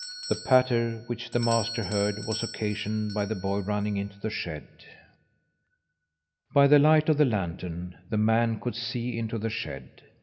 The patter which the master heard was occasioned by the boy running into the shed. By the light of the lantern the man could see into the shed.